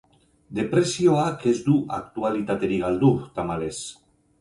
Depresioak ez du aktualitaterik galdu, tamalez.